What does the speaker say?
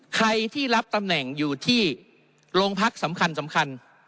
ใครที่รับตำแหน่งอยู่ที่โรงพักสำคัญสำคัญ